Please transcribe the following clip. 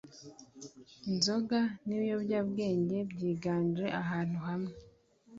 inzoga n'ibiyobyabwenge byiganje ahantu hamwe